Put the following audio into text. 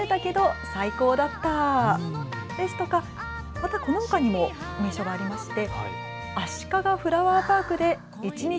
またこのほかにも名所がありまして。